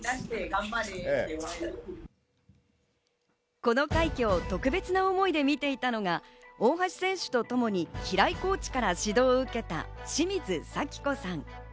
この快挙を特別な思いで見ていたのが大橋選手とともに平井コーチから指導を受けた清水咲子さん。